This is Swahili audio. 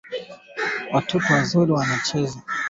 Dalili nyingine ya ugonjwa wa pumu ni mfugo kulialia na kukoroma